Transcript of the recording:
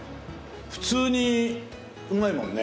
普通にうまいもんね。